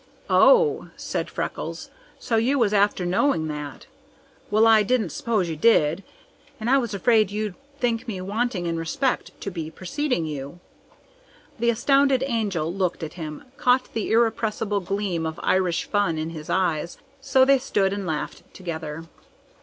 "Oh!" said Freckles, "so you was after knowing that? Well, I didn't s'pose you did, and I was afraid you'd think me wanting in respect to be preceding you!" The astonished Angel looked at him, caught the irrepressible gleam of Irish fun in his eyes, so they stood and laughed together.